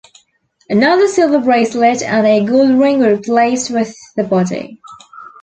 Another silver bracelet and a gold ring were placed with the body.